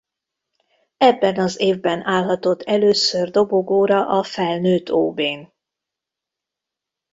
Ebben az évben állhatott először dobogóra a felnőtt ob-n.